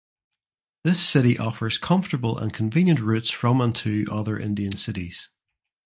This city offers comfortable and convenient routes from and to other Indian cities.